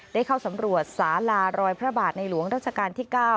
ได้เข้าสำรวจสาลารอยพระบาทในหลวงราชการที่๙